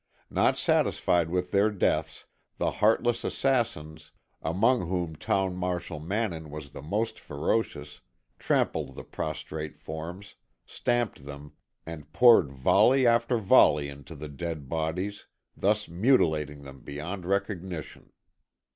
Not satisfied with their deaths, the heartless assassins, among whom Town Marshal Mannin was the most ferocious, trampled the prostrate forms, stamped them, and poured volley after volley into the dead bodies, thus mutilating them beyond recognition.